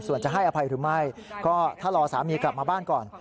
ส่วนจะให้อภัยหรือไม่ก็ถ้ารอสามีกลับมาบ้านก่อน